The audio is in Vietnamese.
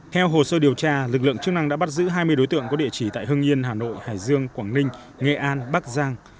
theo hồ sơ điều tra lực lượng chức năng đã bắt giữ hai mươi đối tượng có địa chỉ tại hưng yên hà nội hải dương quảng ninh nghệ an bắc giang